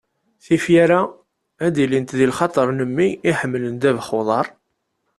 ifyar-a ad ilint di lxaṭer n mmi iḥemmlen ddabex n uḍar.